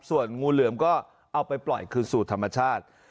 ส่วนงูเหลือมก็เอาไปปล่อยคืนสู่ธรรมชาติ